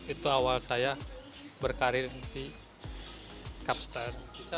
itu awal saya berkarir di kapster